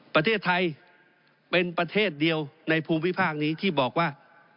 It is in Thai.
ประเทศไทยเป็นประเทศเดียวในภูมิภาคนี้ที่บอกว่า